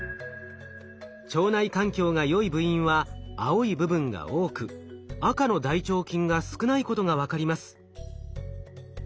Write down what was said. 腸内環境がよい部員は青い部分が多く赤の大腸菌が少ないことが分かります。